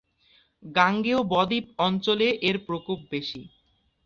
গাঙ্গেয় ব-দ্বীপ অঞ্চলে এর প্রকোপ বেশি।